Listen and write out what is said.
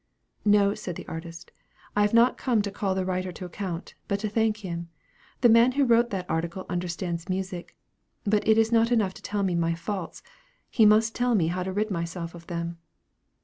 "No," said the artist, "I have not come to call the writer to account, but to thank him. The man who wrote that article understands music; but it is not enough to tell me my faults; he must tell me how to rid myself of them."